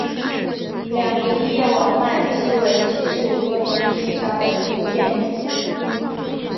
两型叶网脉槭为槭树科槭属下的一个变种。